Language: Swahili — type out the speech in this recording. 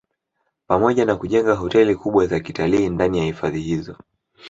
Pamoja na kujenga hoteli kubwa za kitalii ndani ya hifadhi hizo